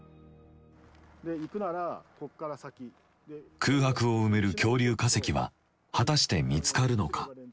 空白を埋める恐竜化石は果たして見つかるのか。